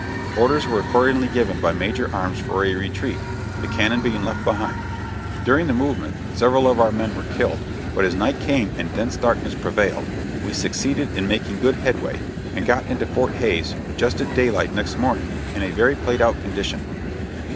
Orders were accordingly given by Major Arms for a retreat, the cannon being left behind. During the movement several of our men were killed, but as night came and dense darkness prevailed, we succeeded in making good headway, and got into Fort Hays just at daylight next morning, in a very played out condition.